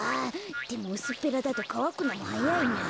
でもうすっぺらだとかわくのもはやいなぁ。